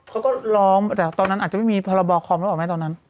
เขาก็ร้องแต่ตอนนั้นอาจจะไม่มีพรบคอมหรือเปล่าแม่ตอนนั้น